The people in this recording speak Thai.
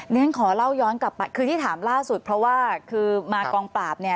ฉันขอเล่าย้อนกลับไปคือที่ถามล่าสุดเพราะว่าคือมากองปราบเนี่ย